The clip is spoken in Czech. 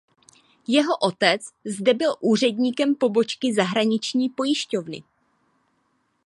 Jeho otec zde byl úředníkem pobočky zahraniční pojišťovny.